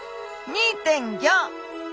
２．５。